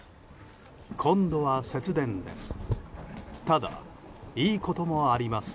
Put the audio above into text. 今度は節電です。